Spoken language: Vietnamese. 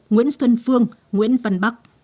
nguyễn xuân phương nguyễn văn bắc